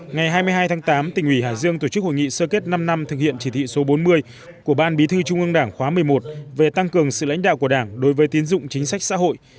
ngày hai mươi hai tháng tám tỉnh ủy hải dương tổ chức hội nghị sơ kết năm năm thực hiện chỉ thị số bốn mươi của ban bí thư trung ương đảng khóa một mươi một về tăng cường sự lãnh đạo của đảng đối với tiến dụng chính sách xã hội